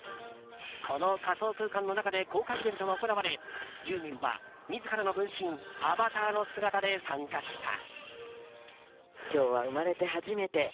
この仮想空間の中で公開イベントが行われユーミンは自らの分身アバターの姿で参加した。